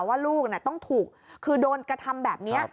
ว่าลูกต้องถูกคือโดนกระทำแบบนี้